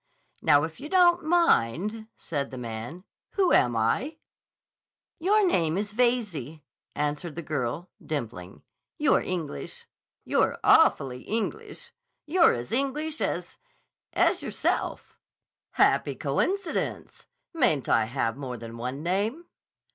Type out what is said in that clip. "Now, if you don't mind," said the man. "Who am I?" "Your name is Veyze," answered the girl, dimpling. "You're English. You're awfully English! You're as English as—as yourself." "Happy coincidence! Mayn't I have more than one name?"